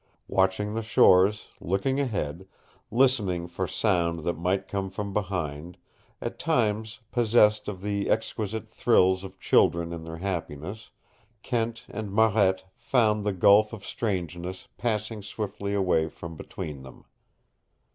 Watching the shores, looking ahead, listening for sound that might come from behind at times possessed of the exquisite thrills of children in their happiness Kent and Marette found the gulf of strangeness passing swiftly away from between them.